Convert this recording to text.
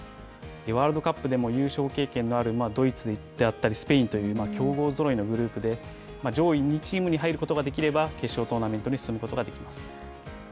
ワールドカップでも優勝経験のあるドイツであったり、スペインという強豪ぞろいのグループで、上位２チームに入ることができれば、決勝トーナメントに進むことができます。